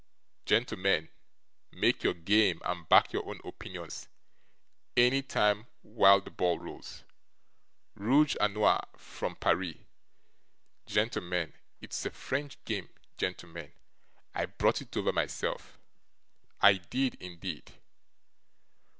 Gentlemen, make your game and back your own opinions any time while the ball rolls rooge a nore from Paris, gentlemen, it's a French game, gentlemen, I brought it over myself, I did indeed!